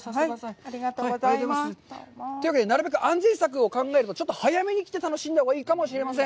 というわけで、なるべく安全策を考えるとちょっと早めに来て楽しんだほうがいいかもしれません。